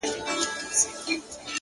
چي يې سم نيمی له ياده يم ايستلی!!